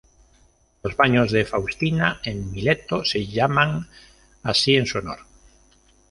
Los Baños de Faustina en Mileto se llaman así en su honor.